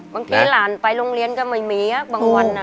บางทีหลานไปโรงเรียนก็ไม่มีบางวัน